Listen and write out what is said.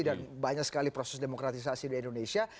dan banyak sekali proses demokratisasi di indonesia